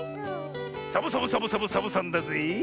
サボサボサボサボサボさんだぜえ！